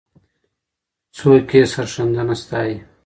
څوک یې سرښندنه ستایي؟